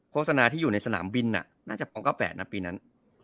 โฆษณาที่อยู่ในสนามบินน่าจะฟ้อง๙๘นะปีนั้น